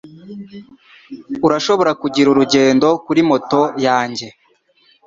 Urashobora kugira urugendo kuri moto yanjye.